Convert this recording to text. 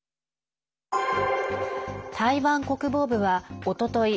台湾国防部は、おととい